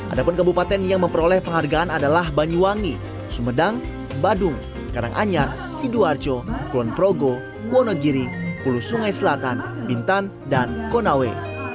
ada pun kabupaten yang memperoleh penghargaan adalah banyuwangi sumedang badung karanganyar sidoarjo kulonprogo wonogiri pulau selatan bintan dan konawe